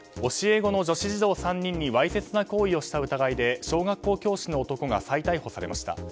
教え子の女子児童３人にわいせつな行為をした疑いで小学校教師の男が再逮捕されました。